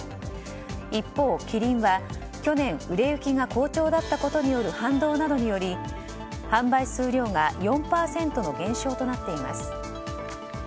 一方、キリンは去年売れ行きが好調だったことによる反動などにより販売数量が４％の減少となっています。